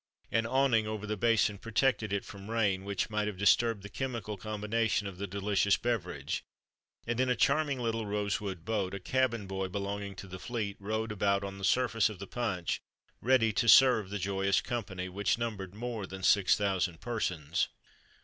An awning over the basin protected it from rain, which might have disturbed the chemical combination of the delicious beverage; and, in a charming little rose wood boat, a cabin boy, belonging to the fleet, rowed about on the surface of the punch, ready to serve the joyous company, which numbered more than six thousand persons.